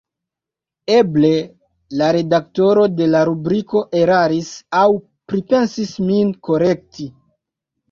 Eble la redaktoro de la rubriko eraris aŭ pripensis min korekti.